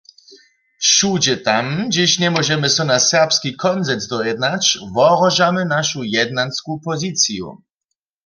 Wšudźe tam, hdźež njemóžemy so na serbski konsens dojednać, wohrožamy našu jednansku poziciju.